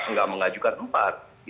enggak mengajukan empat